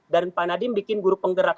dan pak nadiem bikin guru penggerak